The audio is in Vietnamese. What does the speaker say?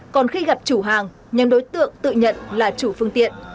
còn khi gặp chủ hàng nhóm đối tượng tự nhận là chủ phương tiện